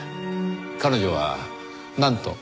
彼女はなんと？